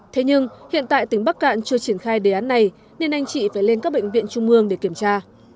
thế nhưng hiện tại tỉnh bắc cạn chưa triển khai đề án này nên anh chị phải lên các bệnh viện trung ương để kiểm tra